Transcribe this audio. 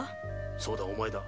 そうだお前だ。